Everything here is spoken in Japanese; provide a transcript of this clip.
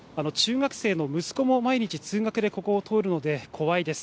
中学生の息子も毎日通学でここを通るので怖いです。